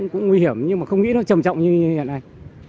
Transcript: cũng nguy hiểm nhưng mà không nghĩ nó trầm trọng như hiện nay